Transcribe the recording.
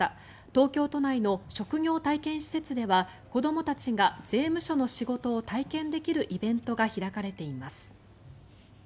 東京都内の職業体験施設では子どもたちが税務署の仕事を体験できるイベントが開かれています。